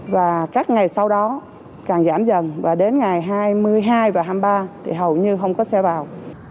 và các ngày sau đó càng giảm dần và đến ngày hai mươi hai và hai mươi ba thì hầu như không có xe vào